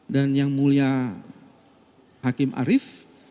dan yang mulia hakim arief